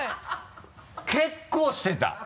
結構してた！